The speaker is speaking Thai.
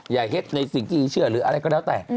เฮ็ดในสิ่งที่เชื่อหรืออะไรก็แล้วแต่